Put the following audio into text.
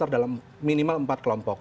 dalam minimal empat kelompok